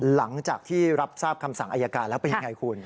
หลังจากที่รับทราบคำสั่งอายการแล้วเป็นยังไงคุณ